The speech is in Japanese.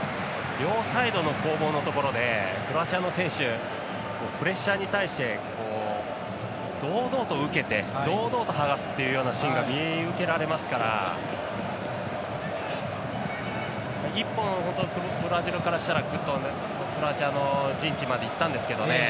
両サイドの攻防のところでクロアチアの選手プレッシャーに対して堂々と受けて堂々と剥がすっていうようなシーンが見受けられますからブラジルからしたらクロアチアの陣地までいったんですけどね